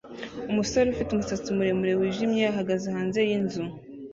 Umusore ufite umusatsi muremure wijimye ahagaze hanze yinzu